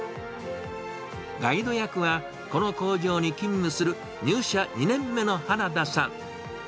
ガイド役は、この工場に勤務する入社２年目の花田さん。